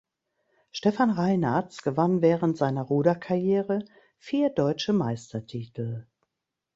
Stefan Reinartz gewann während seiner Ruderkarriere vier Deutsche Meistertitel.